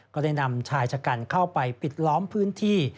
ก็ได้นำชายชะกันเข้าไปปิดล้อมพื้นที่